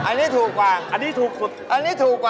อันนี้ถูกกว่าเยอะ